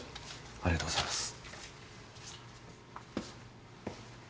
ありがとうございます。